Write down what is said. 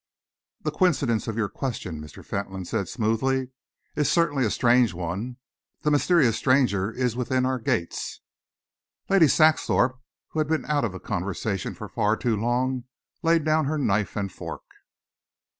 "The coincidence of your question," Mr. Fentolin said smoothly, "is certainly a strange one. The mysterious stranger is within our gates." Lady Saxthorpe, who had been out of the conversation for far too long, laid down her knife and fork.